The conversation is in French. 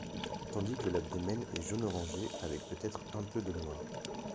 Tandis que l'abdomen est jaune-orangé avec peut-être un peu de noir.